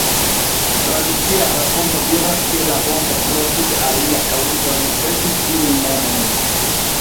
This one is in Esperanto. Tradicia rakonto diras ke la ponto pro tute alia kaŭzo ricevis tiun nomon.